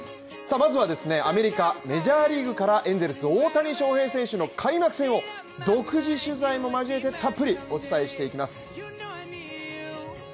まずはアメリカ、メジャーリーグからエンゼルス・大谷翔平選手の開幕戦を独自取材もまじえてたっぷりお伝えしていきます。